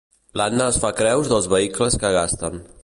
L'Anna es fa creus dels vehicles que gasten.